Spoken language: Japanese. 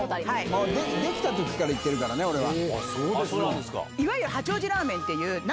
できた時から行ってるからね俺は。